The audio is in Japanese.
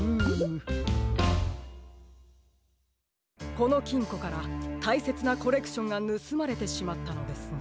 このきんこからたいせつなコレクションがぬすまれてしまったのですね。